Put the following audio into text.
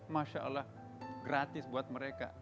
masya allah gratis buat mereka